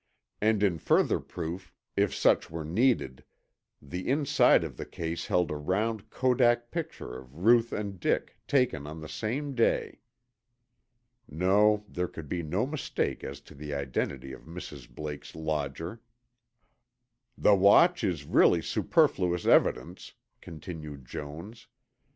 And in further proof, if such were needed, the inside of the case held a round kodak picture of Ruth and Dick, taken on the same day! No, there could be no mistake as to the identity of Mrs. Blake's lodger! "The watch is really superfluous evidence," continued Jones.